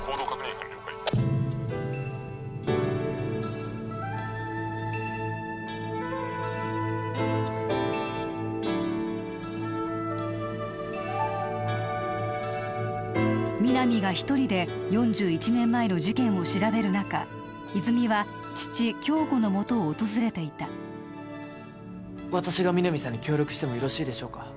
班了解皆実が一人で４１年前の事件を調べる中泉は父・京吾のもとを訪れていた私が皆実さんに協力してもよろしいでしょうか？